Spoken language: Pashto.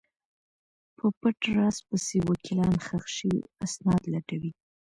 په پټ راز پسې وکیلان ښخ شوي اسناد لټوي.